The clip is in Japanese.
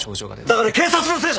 だから警察のせいだ！